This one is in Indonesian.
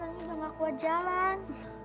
nanti udah gak kuat jalan